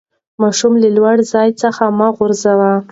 ماشوم له لوړي ځای څخه مه غورځوئ.